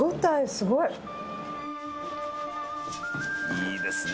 「いいですね